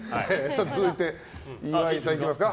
続いて、岩井さんいきますか。